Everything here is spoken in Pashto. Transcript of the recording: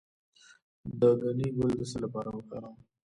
د ګنی ګل د څه لپاره وکاروم؟